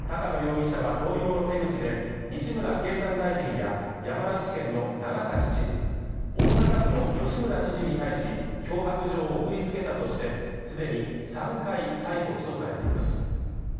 高野容疑者は同様の手口で、西村経産大臣や山梨県の長崎知事、大阪府の吉村知事に対し脅迫状を送りつけたとして、既に３回逮捕起訴されています。